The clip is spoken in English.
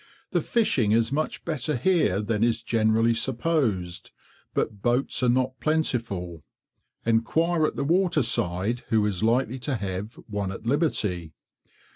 The fishing is much better here than is generally supposed, but boats are not plentiful. Enquire at the waterside who is likely to have one at liberty.